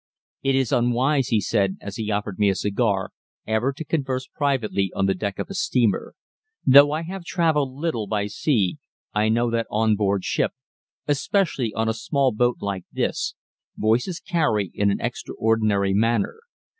"It is unwise," he said, as he offered me a cigar, "ever to converse privately on the deck of a steamer. Though I have travelled little by sea, I know that on board ship, especially on a small boat like this, voices carry in an extraordinary manner.